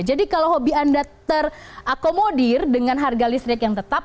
jadi kalau hobi anda terakomodir dengan harga listrik yang tetap